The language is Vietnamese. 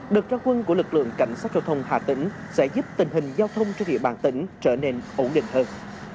đợt ra quân của lực lượng cảnh sát giao thông hà tĩnh sẽ giúp tình hình giao thông trên địa bàn tỉnh trở nên ổn định hơn